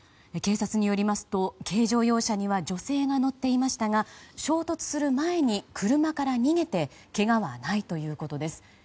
警察によりますと軽乗用車には女性が乗っていましたが衝突する前に車から逃げてけがはないということです。